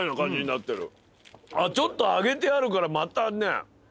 ちょっと揚げてあるからまたね